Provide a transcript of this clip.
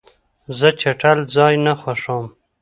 زه چټل ځای نه خوښوم.